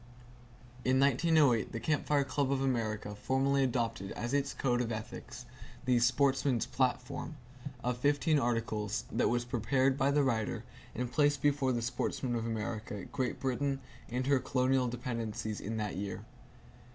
In 1908 the Camp Fire Club of America formally adopted, as its code of ethics, the "Sportsman's Platform" of fifteen articles that was prepared by the writer and placed before the sportsmen of America, Great Britain and her colonial dependencies in that year.